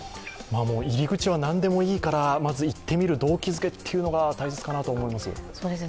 入り口は何でもいいから、まず行ってみる動機づけが大切かなと思います。